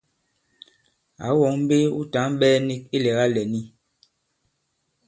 Àwu wɔ̌ŋ mbe wu tǎŋ ɓɛ̄ɛ nik ilɛ̀gâ lɛ̀n i?